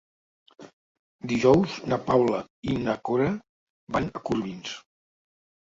Dijous na Paula i na Cora van a Corbins.